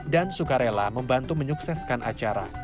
dan suka rela membantu menyukseskan acara